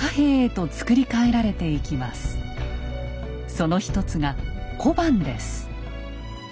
その一つが小判です。